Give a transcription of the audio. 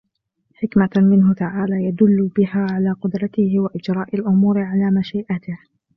حِكْمَةً مِنْهُ تَعَالَى يَدُلُّ بِهَا عَلَى قُدْرَتِهِ وَإِجْرَاءِ الْأُمُورِ عَلَى مَشِيئَتِهِ